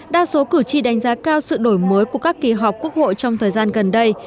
đa số cử tri đánh giá cao sự đổi mới của các kỳ họp quốc hội trong thời gian gần đây